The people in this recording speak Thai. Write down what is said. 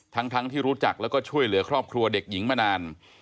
ทั้งที่รู้จักแล้วก็ช่วยเหลือครอบครัวเด็กหญิงมานาน